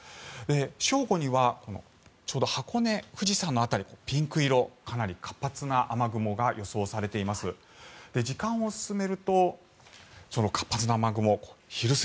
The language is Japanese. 正午にはちょうど箱根、富士山の辺りピンク色かなり活発な雨雲が予想されています。